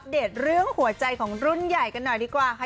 เดตเรื่องหัวใจของรุ่นใหญ่กันหน่อยดีกว่าค่ะ